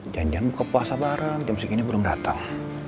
janjian buka puasa bareng jam segini belum datang